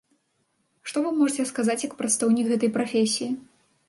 Што вы можаце сказаць як прадстаўнік гэтай прафесіі?